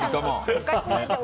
おかしくなっちゃう。